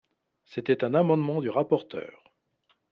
C’était un amendement du rapporteur.